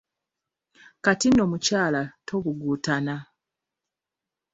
Kati nno mukyala tobuguutana.